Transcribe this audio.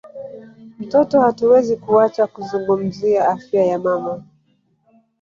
mtoto hatuwezi kuacha kuzungumzia afya ya mama